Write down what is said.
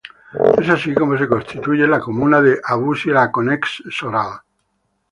Es así como se constituye la comuna de Avusy-Laconnex-Soral.